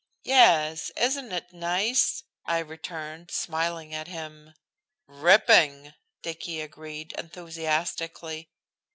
"Yes! Isn't it nice?" I returned, smiling at him. "Ripping!" Dicky agreed enthusiastically.